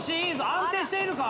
安定しているか？